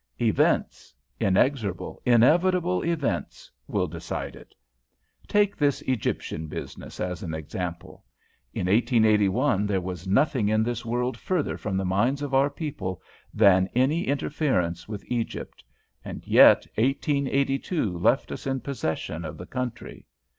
"Events inexorable, inevitable events will decide it. Take this Egyptian business as an example. In 1881 there was nothing in this world further from the minds of our people than any interference with Egypt; and yet 1882 left us in possession of the country.